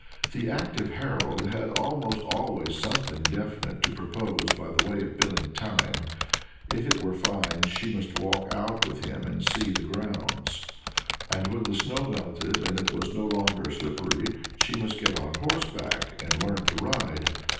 The active Harold had almost always something definite to propose by way of filling the time; if it were fine, she must walk out with him and see the grounds; and when the snow melted and it was no longer slippery, she must get on horseback and learn to ride.